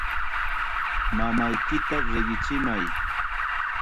Mamayki riqichimay.